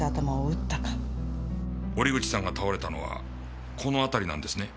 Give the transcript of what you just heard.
折口さんが倒れたのはこの辺りなんですね？